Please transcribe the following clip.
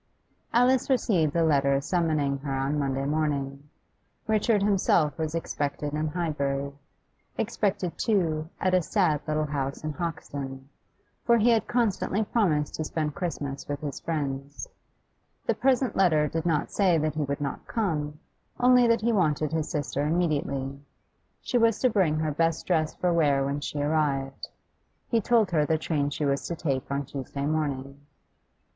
Alice received the letter summoning her on Monday morning. Richard himself was expected in Highbury; expected, too, at a sad little house in Hoxton; for he had constantly promised to spend Christmas with his friends. The present letter did not say that he would not come, only that he wanted his sister immediately. She was to bring her best dress for wear when she arrived. He told her the train she was to take on Tuesday morning.